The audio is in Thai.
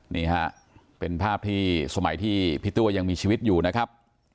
นี่ฮะเป็นภาพที่สมัยที่พี่ตัวยังมีชีวิตอยู่นะครับ